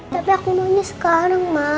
tapi aku mau nyus sekarang ma